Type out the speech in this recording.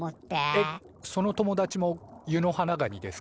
えっその友達もユノハナガニですか？